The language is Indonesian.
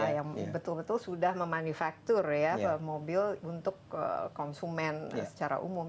yang betul betul sudah memanufaktur ya mobil untuk konsumen secara umum